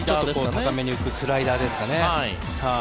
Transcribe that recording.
高めに浮くスライダーですかね。